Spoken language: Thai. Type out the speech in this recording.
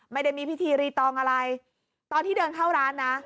ไม่ได้มีพิธีรีตองอะไรตอนที่เดินเข้าร้านนะ